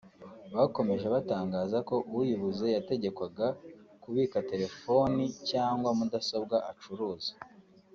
Bakomeje batangaza ko uyibuze yategekwaga kubika telefoni cyangwa mudasobwa acuruza